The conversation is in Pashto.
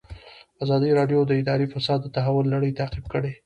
ازادي راډیو د اداري فساد د تحول لړۍ تعقیب کړې.